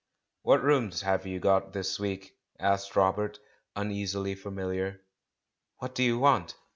"What rooms have you got this week?" asked Robert, uneasily familiar. "What do you want?"